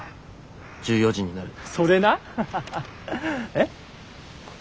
えっ？